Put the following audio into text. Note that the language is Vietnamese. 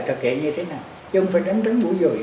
thực hiện như thế nào